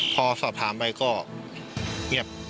พอสอบถามไปก็เงียบ